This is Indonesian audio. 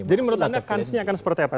jadi menurut anda kansnya akan seperti apa